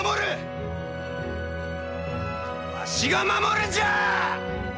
わしが守るんじゃあ！